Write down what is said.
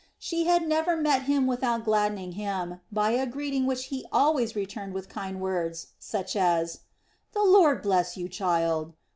She had never met him without gladdening him by a greeting which he always returned with kind words, such as: "The Lord bless you, child!"